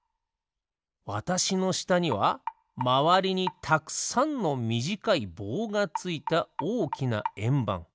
わたしのしたにはまわりにたくさんのみじかいぼうがついたおおきなえんばん。